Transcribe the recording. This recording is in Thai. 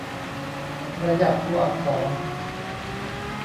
ประหยัดตัวอักษร